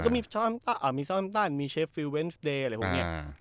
ก็มีซ้อมตันมีเชฟฟิลเวนสเดย์อะไรพวกนี้